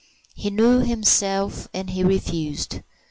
He knew himself, and he refused.